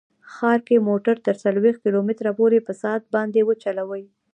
ښار کې موټر تر څلوېښت کیلو متره پورې په ساعت باندې وچلوئ